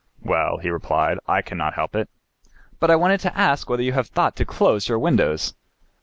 "Well," he replied, "I cannot help it." "But I want to ask whether you have thought to close your windows?"